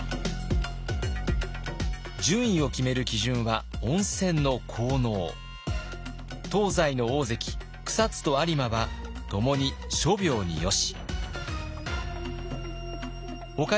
順位を決める基準は東西の大関草津と有馬はともに「諸病によし」。